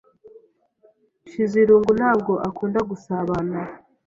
Nshizirungu ntabwo akunda gusabana.